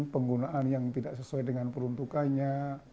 penggunaan yang tidak sesuai dengan peruntukannya